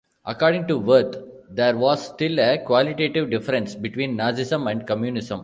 According to Werth, there was still a qualitative difference between Nazism and Communism.